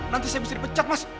nanti saya bisa dipecat mas